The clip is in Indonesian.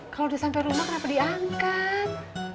kalau udah sampai rumah kenapa diangkat